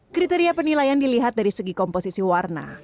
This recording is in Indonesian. kriteria penilaian dilihat dari segi komposisi warna